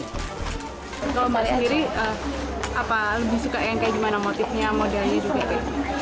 kalau mbak sendiri apa lebih suka yang kayak gimana motifnya modelnya gitu